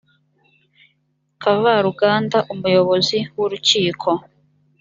kavaruganda umuyobozi w urukiko